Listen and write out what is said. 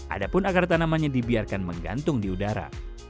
adapun akar tanamannya dibiarkan menggantung di udara